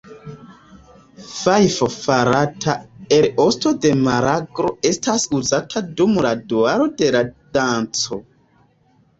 Fajfo farata el osto de maraglo estas uzata dum la daŭro de la danco.